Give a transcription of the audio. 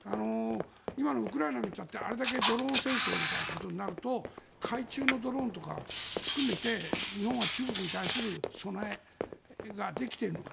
今のウクライナを見たってあれだけドローン戦争みたいなことになると海中のドローンとか含めて日本は中国に対する備えができているのか。